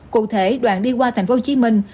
cụ thể đoạn đi qua thành phố hồ chí minh